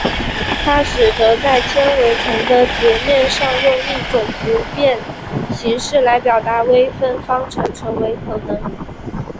它使得在纤维丛的截面上用一种不变形式来表达微分方程成为可能。